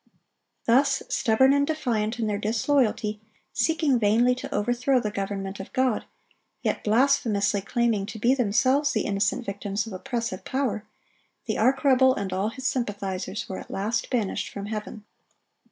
Thus stubborn and defiant in their disloyalty, seeking vainly to overthrow the government of God, yet blasphemously claiming to be themselves the innocent victims of oppressive power, the arch rebel and all his sympathizers were at last banished from heaven.